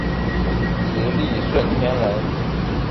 直隶顺天人。